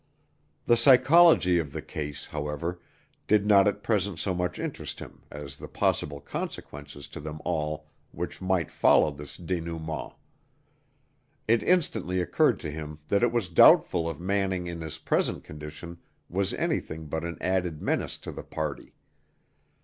The psychology of the case, however, did not at present so much interest him as the possible consequences to them all which might follow this dénouement. It instantly occurred to him that it was doubtful if Manning in his present condition was anything but an added menace to the party.